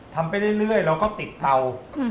ทำไปเรื่อยแล้วก็ติดเตา